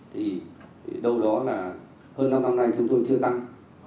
thì đâu đó là hơn năm năm nay chúng tôi chưa tăng